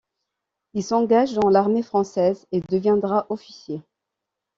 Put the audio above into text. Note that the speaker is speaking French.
Il s'engage dans l'armée française et deviendra officier.